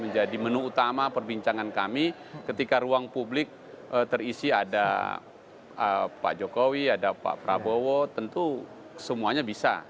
menjadi menu utama perbincangan kami ketika ruang publik terisi ada pak jokowi ada pak prabowo tentu semuanya bisa